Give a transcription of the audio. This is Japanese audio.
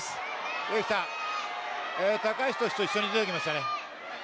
高橋投手と一緒に出てきましたね。